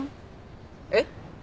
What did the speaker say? えっ？